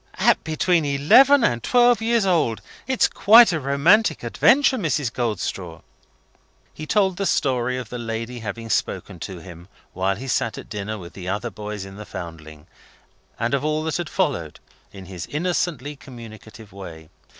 "At between eleven and twelve years old. It's quite a romantic adventure, Mrs. Goldstraw." He told the story of the lady having spoken to him, while he sat at dinner with the other boys in the Foundling, and of all that had followed in his innocently communicative way.